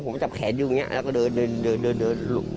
ผมก็จับแขนดูอย่างเงี้ยแล้วก็เดินเดินเดินเดิน